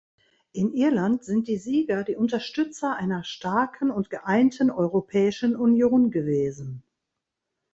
In Irland sind die Sieger die Unterstützer einer starken und geeinten Europäischen Union gewesen.